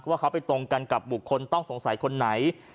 ว่าเขาไปตรงกันกับบุคคลต้องสงสัยคนไหน